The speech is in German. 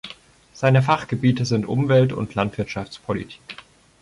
Seine Fachgebiete sind Umwelt- und Landwirtschaftspolitik.